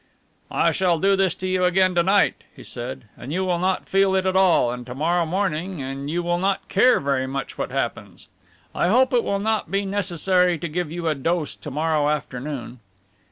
"I shall do this to you again to night," he said, "and you will not feel it at all, and to morrow morning, and you will not care very much what happens. I hope it will not be necessary to give you a dose to morrow afternoon."